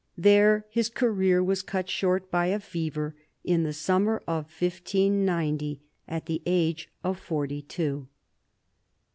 There his career was cut short by a fever in the summer of 1590, at the age of forty two.